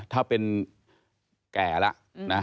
ถ้าเป็นแก่แล้วนะ